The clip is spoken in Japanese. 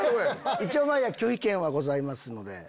一応まいやん拒否権はございますので。